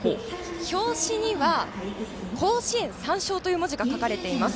表紙には「甲子園３勝」という文字が書かれています。